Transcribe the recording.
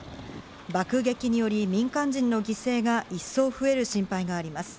爆撃により民間人の犠牲がいっそう増える心配があります。